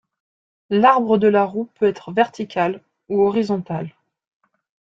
L'arbre de la roue peut être vertical ou horizontal.